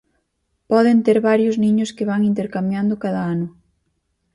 Poden ter varios niños que van intercambiando cada ano.